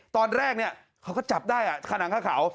ตอนแรกเนี่ยเขาก็จับได้ขนังค่าเขา